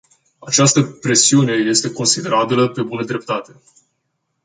Această presiune este considerabilă, pe bună dreptate.